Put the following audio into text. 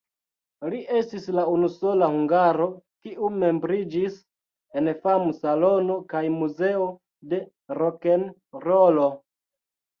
Li estis la unusola hungaro, kiu membriĝis en Fam-Salono kaj Muzeo de Rokenrolo.